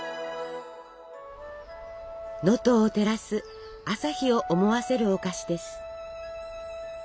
能登を照らす朝日を思わせるお菓子です。